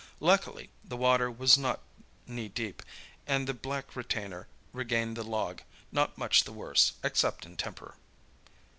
Luckily, the water was not knee deep, and the black retainer regained the log, not much the worse, except in temper.